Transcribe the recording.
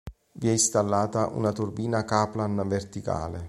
Vi è installata una turbina Kaplan verticale.